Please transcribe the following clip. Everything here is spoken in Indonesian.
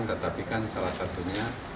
tetapi kan salah satunya